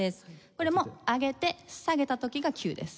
これも上げて下げた時がキューです。